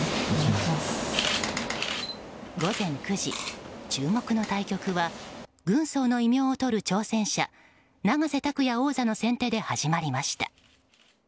午前９時、注目の対局は軍曹の異名をとる挑戦者永瀬拓矢王座の先手で始まりました。